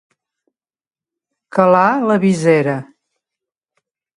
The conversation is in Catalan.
Calar la visera.